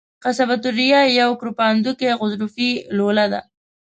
قصبة الریه یوه کرپندوکي غضروفي لوله ده.